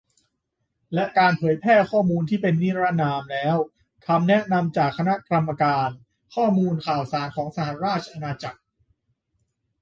และการเผยแพร่ข้อมูลที่เป็นนิรนามแล้ว - คำแนะนำจากคณะกรรมการข้อมูลข่าวสารของสหราชอาณาจักร